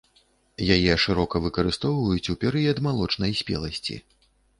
Яе шырока выкарыстоўваюць у перыяд малочнай спеласці.